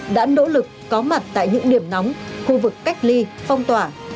đã nỗ lực có mặt tại những điểm nóng khu vực cách ly phong tỏa